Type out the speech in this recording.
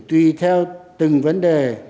tùy theo từng vấn đề